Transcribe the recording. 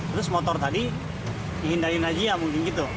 terus motor tadi dihindari rajia mungkin gitu